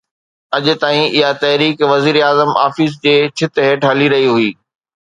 اڄ تائين اها تحريڪ وزيراعظم آفيس جي ڇت هيٺ هلي رهي هئي.